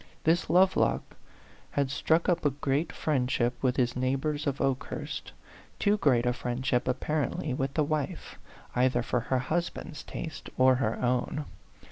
This Lovelock had struck up a great friendship with his neighbors of Okehurst too great a friendship, apparently, with the wife, either for her husband's taste or her own.